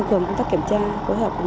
thứ nhất là về kiểm tra các gội quy